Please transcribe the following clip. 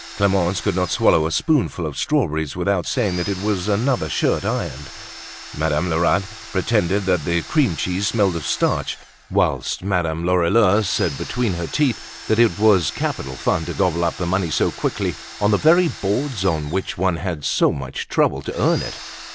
Clemence could not swallow a spoonful of strawberries without saying that it was another shirt ironed; Madame Lerat pretended that the cream cheese smelt of starch; whilst Madame Lorilleux said between her teeth that it was capital fun to gobble up the money so quickly on the very boards on which one had had so much trouble to earn it.